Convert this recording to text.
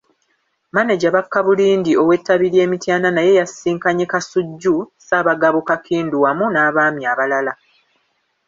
Maneja Bakabulindi ow’ettabi ly’e Mityana naye yasisinkanye Kasujju, Ssaabagabo Kakindu wamu n’abaami abalala.